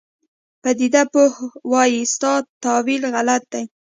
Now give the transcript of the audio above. پدیده پوه وایي ستا تاویل غلط دی.